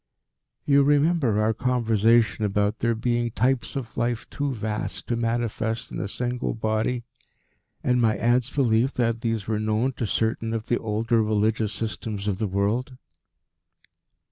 "You remember our conversation about there being types of life too vast to manifest in a single body, and my aunt's belief that these were known to certain of the older religious systems of the world?"